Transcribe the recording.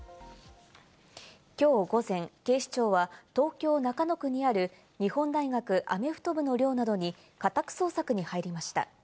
きょう午前、警視庁は東京・中野区にある日本大学アメフト部の寮などに家宅捜索に入りました。